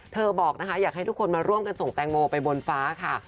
บอกนะคะอยากให้ทุกคนมาร่วมกันส่งแตงโมไปบนฟ้าค่ะ